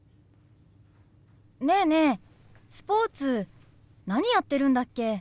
ねえねえスポーツ何やってるんだっけ？